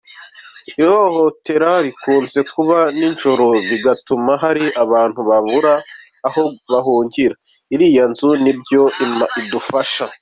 Ihohotera rikunze kuba nijoro bigatuma hari abantu babura aho bahungira; iriya nzu nibyo idufasha”.